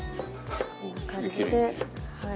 こんな感じではい。